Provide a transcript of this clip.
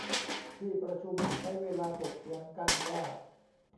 ที่ประชุมใช้เวลาถกเถียงกันว่า